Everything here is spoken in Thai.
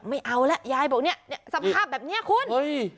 ไม่เอาแล้วยายบอกเนี่ยสภาพแบบเนี้ยคุณเฮ้ย